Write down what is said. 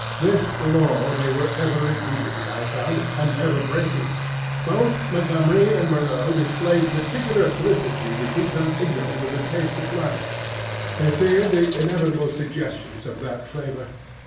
This Law they were ever repeating, I found, and ever breaking. Both Montgomery and Moreau displayed particular solicitude to keep them ignorant of the taste of blood; they feared the inevitable suggestions of that flavour.